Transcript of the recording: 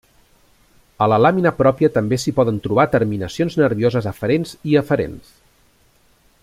A la làmina pròpia també s'hi poden trobar terminacions nervioses aferents i eferents.